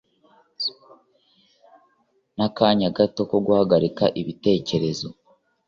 Nakanya gato ko guhagarika ibitekerezo